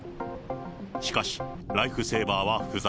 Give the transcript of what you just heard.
しかし、ライフセーバーは不在。